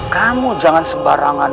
kamu jangan sembarangan